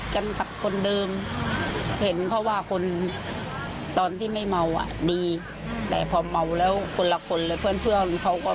คนละคนเพื่อนเขาก็ไม่กล้า